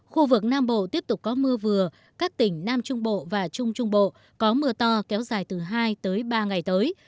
khu vực nam bộ tiếp tục có mưa vừa các tỉnh nam trung bộ và trung trung bộ có mưa to kéo dài từ hai tới ba ngày tới